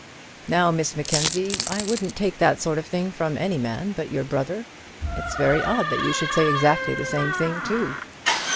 Now, Miss Mackenzie, I wouldn't take that sort of thing from any man but your brother; it's very odd that you should say exactly the same thing too."